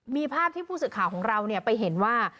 มีภาพที่ผู้สื่อข่าวของเราไปเห็นว่า